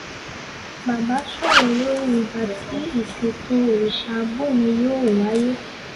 Baba sọ̀rọ̀ lórí ìgbà tí ìsìnkú Òrìṣàbùnmi yóò wáyé.